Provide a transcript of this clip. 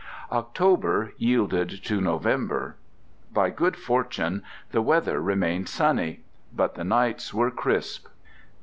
October yielded to November. By good fortune the weather remained sunny, but the nights were crisp.